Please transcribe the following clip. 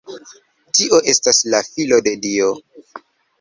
Tio estas la Filo de Dio.